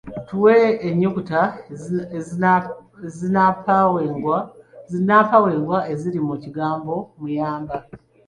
Tuwe ennyukuta zinnampawengwa eziri mu kigambo muyamba.